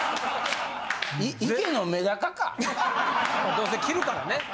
どうせ着るからね。